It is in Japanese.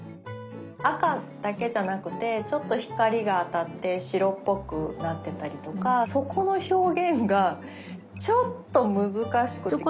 赤だけじゃなくてちょっと光が当たって白っぽくなってたりとかそこの表現がちょっと難しくて。